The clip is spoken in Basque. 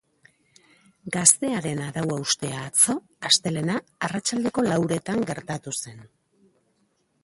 Gaztearen arau-haustea atzo, astelehena, arratsaldeko lauretan gertatu zen.